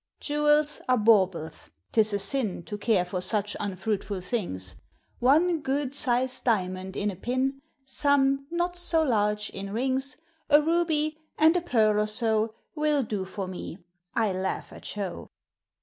Jewels are baubles ; 't is a sin To care for such unfruitful things ;— One good sized diamond in a pin, — Some, not so large, in rings, — A ruby, and a pearl or so, Will do for me ;— I laugh at show.